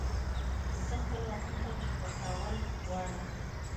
زه خپل وطن ته چوپړ کول غواړم